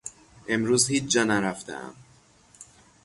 امروز هیچ جا نرفتهام.